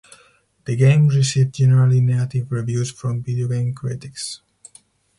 The game received generally negative reviews from video game critics.